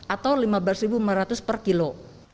atau rp lima belas lima ratus per kilo